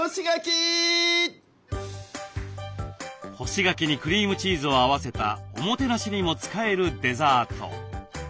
干し柿にクリームチーズを合わせたおもてなしにも使えるデザート。